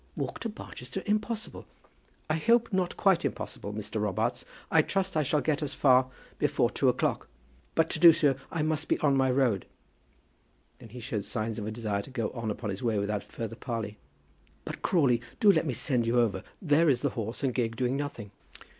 "Walk to Barchester. Impossible!" "I hope not quite impossible, Mr. Robarts. I trust I shall get as far before two o'clock; but to do so I must be on my road." Then he showed signs of a desire to go on upon his way without further parley. "But, Crawley, do let me send you over. There is the horse and gig doing nothing."